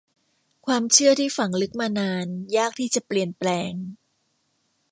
ความเชื่อที่ฝังลึกมานานยากที่จะเปลี่ยนแปลง